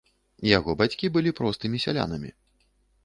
Яго бацькі былі простымі сялянамі.